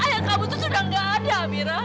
ayah kamu itu sudah gak ada amira